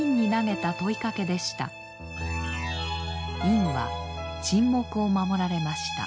院は沈黙を守られました。